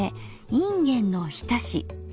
いんげんのおひたし。